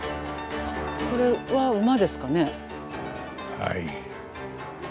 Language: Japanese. はい。